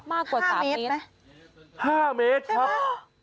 มากกว่า๓เมตรไหมใช่ไหมห้าเมตรครับ